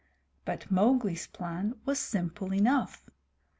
But Mowgli's plan was simple enough.